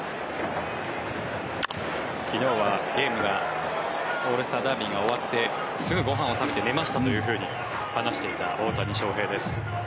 昨日はゲームがオールスターダービーが終わってすぐご飯を食べて寝ましたと話していた大谷翔平です。